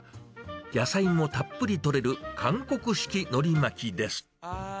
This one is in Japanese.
野菜もたっぷりとれる韓国式のり巻きです。